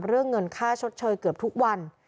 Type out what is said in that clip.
เรื่องเงินค่าชดเชยเกือบทุกวัน